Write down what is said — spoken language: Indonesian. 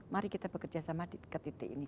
mari kita bekerja sama di titik ini